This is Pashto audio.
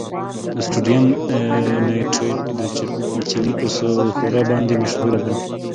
د سوډیم نایټریټ د چیلي په ښوره باندې مشهوره ده.